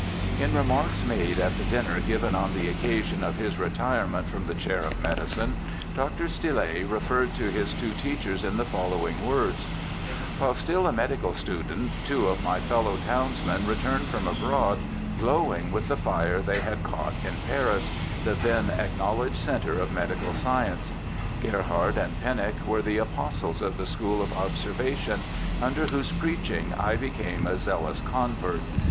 In remarks made at the dinner given on the occasion of his retirement from the Chair of Medicine, Dr. Stille referred to his two teachers in the following words : 'While still a medical student two of my fellow townsmen returned from abroad glowing with the fire they had caught in Paris, the then acknowledged centre of medical science. Gerhard and Pennock were the apostles of the school of observation, under whose preaching I became a zealous convert.